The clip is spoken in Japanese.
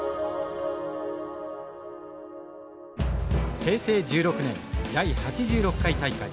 平成１６年第８６回大会。